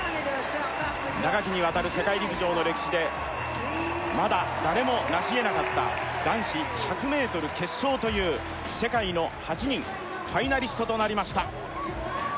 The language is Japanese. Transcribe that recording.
長きにわたる世界陸上の歴史でまだ誰もなしえなかった男子１００ｍ決勝という世界の８人ファイナリストとなりました